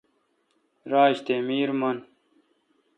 راج تی میر منے۔